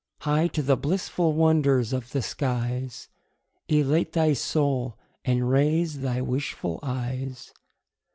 High to the blissful wonders of the skies Elate thy soul, and raise thy wishful eyes.